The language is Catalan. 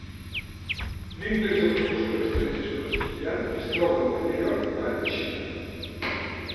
L'índex de professors estrangers per estudiant es troba en primer lloc a Xina.